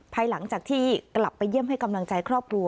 ภายหลังจากที่กลับไปเยี่ยมให้กำลังใจครอบครัว